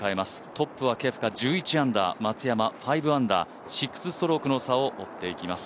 トップはケプカ、１１アンダー松山、５アンダー、６ストロークの差を追っていきます。